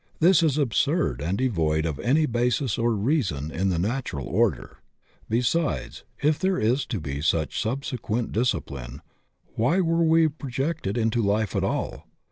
This is absurd and devoid of any basis or reason in the natural order. Besides, if there is to be such subsequent discipline, why were we projected into life at all?